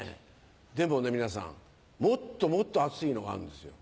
でもね皆さんもっともっとアツいのがあるんですよ。